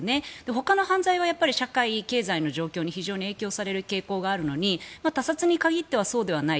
ほかの犯罪は社会経済に影響される傾向があるのに他殺に限ってはそうではない。